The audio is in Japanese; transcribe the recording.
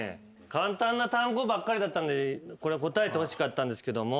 簡単な単語ばっかりだったんで答えてほしかったんですけども。